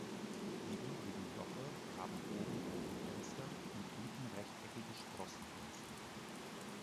Die übrigen Joche haben oben Bogenfenster und unten rechteckige Sprossenfenster.